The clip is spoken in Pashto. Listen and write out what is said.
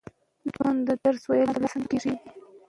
چی په دوی کی څوک احمق وي هغه خر دی